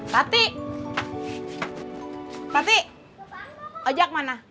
pati pati ojak mana